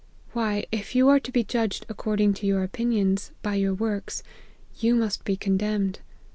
Wliy, if you are to be judged according to your Dpinions, by your works, you must be condemned.